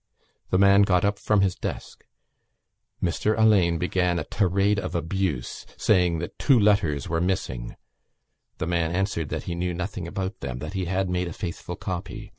The man got up from his desk. Mr Alleyne began a tirade of abuse, saying that two letters were missing. The man answered that he knew nothing about them, that he had made a faithful copy.